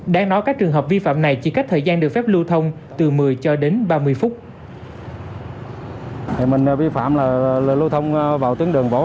đáng nói các trường hợp vi phạm này chỉ cách thời gian được phép lưu thông từ một mươi cho đến ba mươi phút